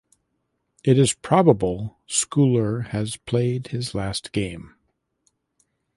It is probable Scoular has played his last game.